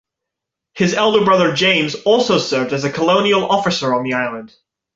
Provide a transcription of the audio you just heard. His elder brother James also served as a colonial officer on the island.